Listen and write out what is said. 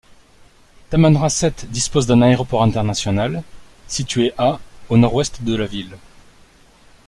Tamanrasset dispose d'un aéroport international, situé à au nord-ouest de la ville.